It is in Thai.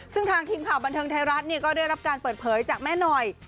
ซึ่งทางทีมข่าวบันเทิงไทยรัฐก็ได้รับการเปิดเผยจากแม่หน่อย